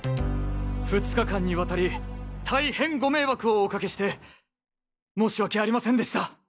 ２日間にわたり大変ご迷惑をおかけして申し訳ありませんでした！